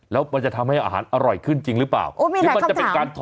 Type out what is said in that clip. แล้วมันจะทำให้อาหารอร่อยขึ้นจริงหรือเปล่า